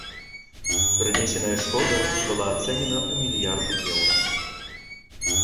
Прынесеная шкода была ацэнены ў мільярды еўра.